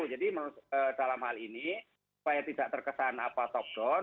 jadi menurut dalam hal ini supaya tidak terkesan apa top down